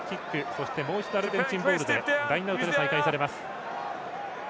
そして、もう一度アルゼンチンボールでラインアウトで再開されます。